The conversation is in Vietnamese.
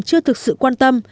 chưa thực sự quan tâm